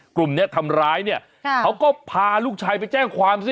กลุ่มเนี้ยทำร้ายเนี่ยเขาก็พาลูกชายไปแจ้งความสิ